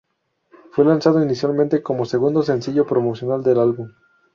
Fue lanzado inicialmente como segundo sencillo promocional del álbum.